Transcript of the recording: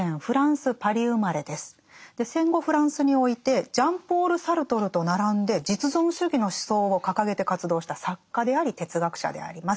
戦後フランスにおいてジャン＝ポール・サルトルと並んで実存主義の思想を掲げて活動した作家であり哲学者であります。